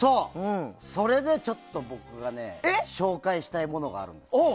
それで僕が紹介したいものがあるんです。